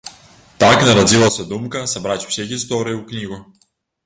Так нарадзілася думка сабраць усе гісторыі ў кнігу.